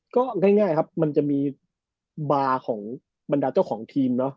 ก็ง่ายครับมันจะมีบาร์ของบรรดาเจ้าของทีมเนอะ